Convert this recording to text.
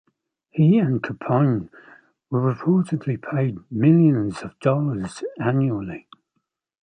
He and Capone were reportedly paid millions of dollars annually.